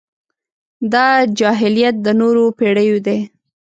دا جاهلیت د نورو پېړيو دی.